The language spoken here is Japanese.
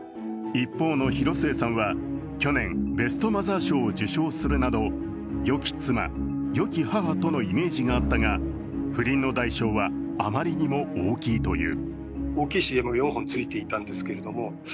一方の広末さんは去年、ベストマザー賞を受賞するなど良き妻・良き母とのイメージがあったが、不倫の代償はあまりにも大きいという。